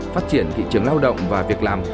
phát triển thị trường lao động và việc làm